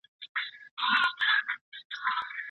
شرعیاتو پوهنځۍ له پامه نه غورځول کیږي.